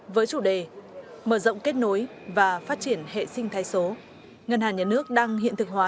với chủ đề mở rộng kết nối và phát triển hệ sinh thái số ngân hàng nhà nước đang hiện thực hóa